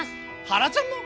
はらちゃんも？